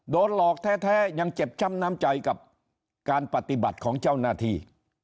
โดนหลอกแท้ยังเจ็บช้ำน้ำใจกับการปฏิบัติของเจ้าหน้าที่